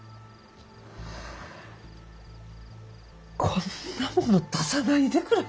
こんなもの出さないでくれ。